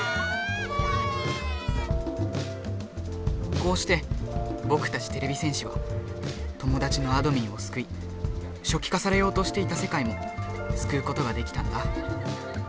こうしてぼくたちてれび戦士はトモダチのあどミンをすくいしょきかされようとしていたせかいもすくうことができたんだ